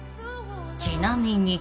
［ちなみに］